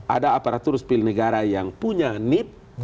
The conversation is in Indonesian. ada aparatur sipil negara yang punya nip